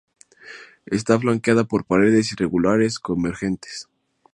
Está flanqueada por paredes irregulares convergentes.